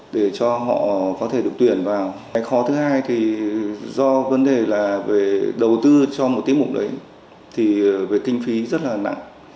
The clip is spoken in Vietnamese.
do vấn đề là về đầu tư cho một tiết mục đấy thì về kinh phí rất là nặng